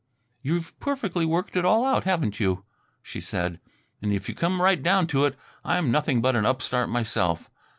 "You've perfectly worked it all out, haven't you?" she said. " and if you come right down to it, I'm nothing but 'n upstart myself."